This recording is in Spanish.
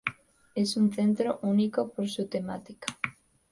Es un centro único por su temática.